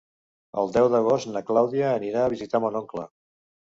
El deu d'agost na Clàudia anirà a visitar mon oncle.